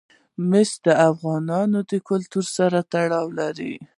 مس د افغان کلتور سره تړاو لري.